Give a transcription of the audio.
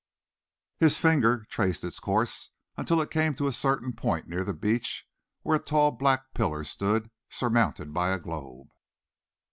His finger traced its course until it came to a certain point near the beach, where a tall black pillar stood, surmounted by a globe.